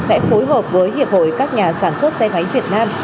sẽ phối hợp với hiệp hội các nhà sản xuất xe máy việt nam